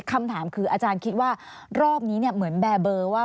คำถามคืออาจารย์คิดว่ารอบนี้เหมือนแบบเบอร์ว่า